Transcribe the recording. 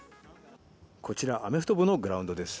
こちらアメフト部のグラウンドです。